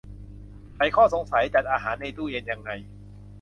ไขข้อสงสัย จัดอาหารในตู้เย็นยังไง